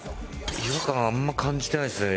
違和感あんま感じてないですね。